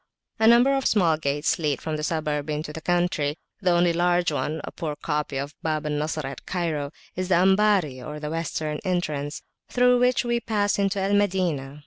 A number of small gates lead from the suburb into the country. The only large one, a poor copy of the Bab al Nasr at Cairo, is the Ambari or Western entrance, through which we passed into Al Madinah.